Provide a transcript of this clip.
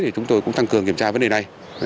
thì chúng tôi cũng tăng cường kiểm tra vấn đề này